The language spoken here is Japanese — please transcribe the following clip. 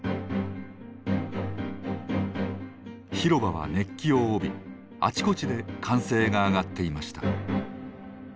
広場は熱気を帯びあちこちで歓声が上がっていました。